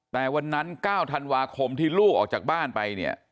แต่วันนั้น๙ธันวาคมที่ลูกออกจากบ้านไปเนี่ย